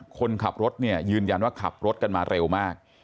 คนขับรถเนี่ยยืนยันว่าขับรถกันมาเร็วมาก